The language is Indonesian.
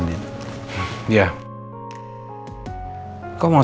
namun bapaknya sudah menunggu